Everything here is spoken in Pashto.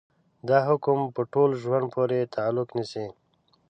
دا حکم په ټول ژوند پورې تعلق نيسي.